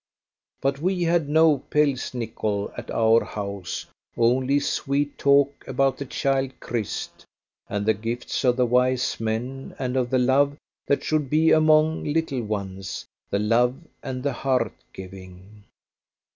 But we had no Pelsnichol at our house, only sweet talk about the child Christ, and the gifts of the wise men, and of the love that should be among little ones the love and the heart giving.